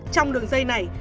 trong đường dây này